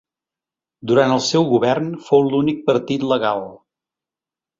Durant el seu govern fou l'únic partit legal.